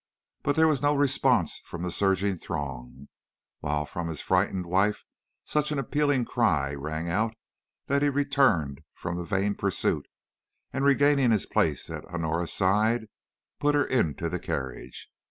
"But there was no response from the surging throng; while from his frightened wife such an appealing cry rung out that he returned from the vain pursuit, and regaining his place at Honora's side, put her into the carriage.